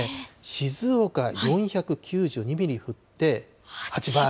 静岡４９２ミリ降って８倍。